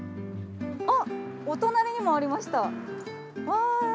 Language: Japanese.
お隣にもありました。